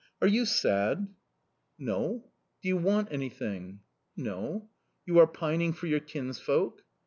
'Are you sad?' "'No!' "'Do you want anything?' "'No!' "'You are pining for your kinsfolk?